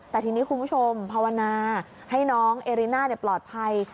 แต่ทีนี้คุณผู้ชมภาวนาให้น้องเอริน่าปลอดภัย